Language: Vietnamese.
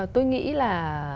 tôi nghĩ là